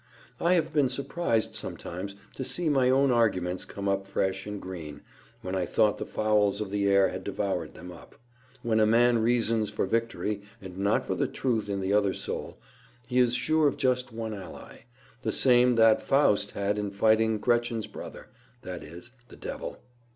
I have been surprised sometimes to see my own arguments come up fresh and green, when I thought the fowls of the air had devoured them up. When a man reasons for victory and not for the truth in the other soul, he is sure of just one ally, the same that Faust had in fighting Gretchen's brother—that is, the Devil.